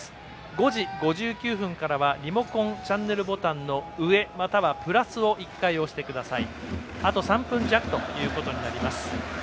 ５時５９分からはリモコンチャンネルボタン上またはプラスを１回押してください。